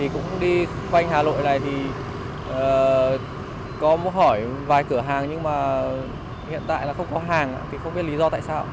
chúng tôi hỏi vài cửa hàng nhưng mà hiện tại là không có hàng thì không biết lý do tại sao